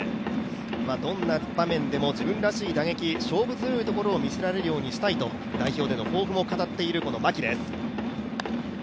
どんな場面でも自分らしい打撃、勝負強いところを見せられるようにしたいと代表での抱負も語っている牧です。